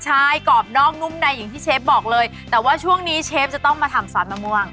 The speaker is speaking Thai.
ใช่กรอบนอกนุ่มในอย่างที่เชฟบอกเลยแต่ว่าช่วงนี้เชฟจะต้องมาทำซอสมะม่วง